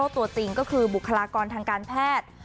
ตัวจริงก็คือบุคลากรทางการแพทย์